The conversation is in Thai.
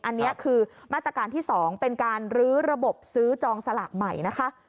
อันนี้คือมาตรการที่๒เป็นการรื้อระบบซื้อจองสลากใหม่นะคะ